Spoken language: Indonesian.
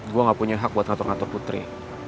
gue gak punya hak buat ngatur ngatur putri